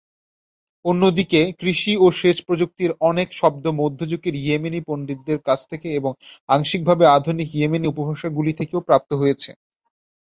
অন্যদিকে, কৃষি ও সেচ প্রযুক্তির অনেক শব্দ মধ্যযুগের ইয়েমেনি পণ্ডিতদের কাজ থেকে এবং আংশিকভাবে আধুনিক ইয়েমেনি উপভাষাগুলি থেকেও প্রাপ্ত হয়েছে।